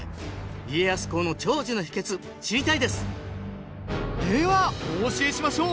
家康公の長寿の秘訣知りたいですではお教えしましょう。